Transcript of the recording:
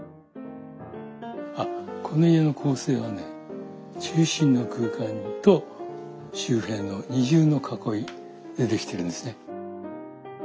あこの家の構成はね中心の空間と周辺の二重の囲いで出来てるんですね。